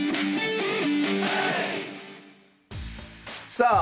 さあ